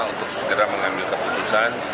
untuk segera mengambil keputusan